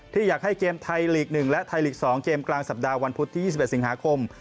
ที่อยากให้เกมไทยลีก๑และไทยลีก๒เกมกลางสัปดาห์วันพุธที่๒๑สิงหาคม